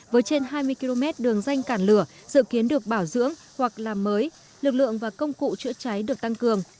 với trên hai mươi km đường danh cản lửa dự kiến được bảo dưỡng hoặc làm mới lực lượng và công cụ chữa cháy được tăng cường